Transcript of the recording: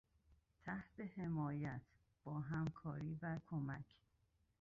تحت حمایت...، با همکاری و کمک...